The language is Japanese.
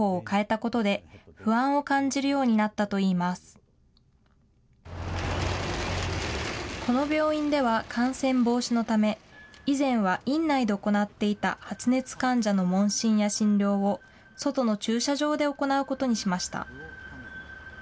この病院では感染防止のため、以前は院内で行っていた発熱患者の問診や診療を、外の駐車場で行うことにしました。